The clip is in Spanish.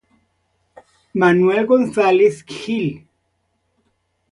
Manuel Gonzalez Gil.